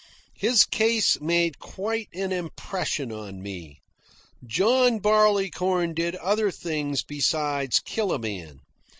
His case made quite an impression on me. John Barleycorn did other things beside kill a man.